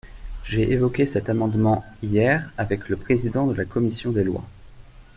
J’ai évoqué cet amendement hier avec le président de la commission des lois.